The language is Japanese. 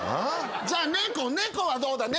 じゃあ猫猫はどうだ猫。